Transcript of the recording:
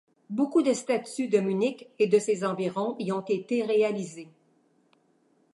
Beaucoup de statues de Munich et de ses environs y ont été réalisées.